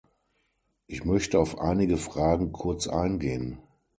Ich möchte auf einige Fragen kurz eingehen.